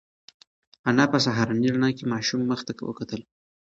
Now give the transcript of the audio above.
انا په سهارنۍ رڼا کې د ماشوم مخ ته وکتل.